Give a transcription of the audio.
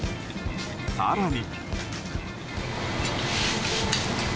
更に。